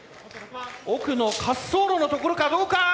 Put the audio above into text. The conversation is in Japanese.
奥の滑走路の所かどうか！